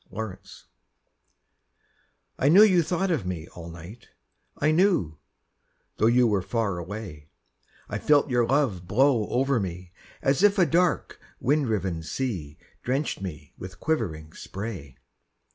Spray I knew you thought of me all night, I knew, though you were far away; I felt your love blow over me As if a dark wind riven sea Drenched me with quivering spray.